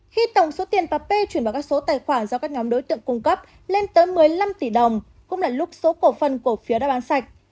khi tổng số tiền pa p chuyển vào các số tài khoản do các nhóm đối tượng cung cấp lên tới một mươi năm tỷ đồng cũng là lúc số cổ phần cổ phiếu đã bán sạch